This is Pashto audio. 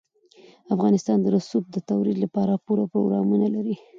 افغانستان د رسوب د ترویج لپاره پوره پروګرامونه لري.